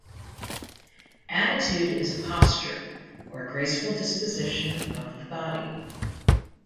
Attitude is a posture, or graceful disposition of the body.